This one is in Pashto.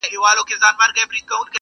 په سرو وينو سره لاسونه -